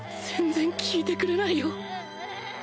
全然聞いてくれないよ